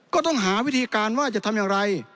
ก็ต้องหาวิธีการว่าจะทำอย่างไร